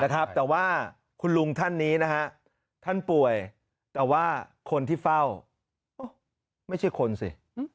แต่ว่าคุณลุงท่านนี้นะฮะท่านป่วยแต่ว่าคนที่เฝ้าไม่ใช่คนสิ